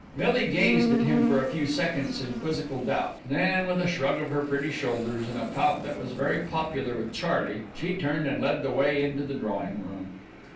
Millie gazed at him for a few seconds in quizzical doubt, then, with a shrug of her pretty shoulders, and a pout that was very popular with Charley, she turned and led the way into the drawing room.